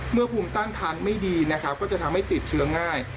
เมื่อคุมตั้งทานไม่ดีนะครับก็จะทำให้ติดเชื้อง่าย